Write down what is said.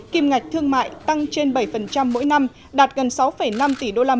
kim ngạch thương mại tăng trên bảy mỗi năm đạt gần sáu năm tỷ usd năm hai nghìn một mươi bảy